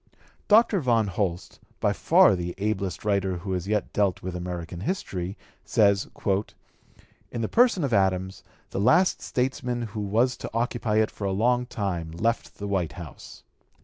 Dr. Von Holst, by far the ablest writer who has yet dealt with American history, says: "In the person of Adams the last statesman who was to occupy it for a long time left the White House."